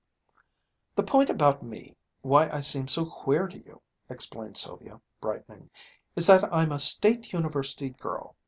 "The point about me, why I seem so queer to you," explained Sylvia, brightening, "is that I'm a State University girl.